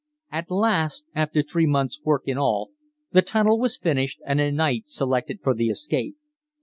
At last, after three months' work in all, the tunnel was finished, and a night selected for the escape.